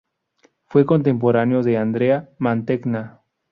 Fue contemporáneo de Andrea Mantegna.